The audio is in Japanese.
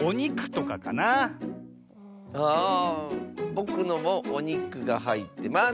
ぼくのもおにくがはいってます！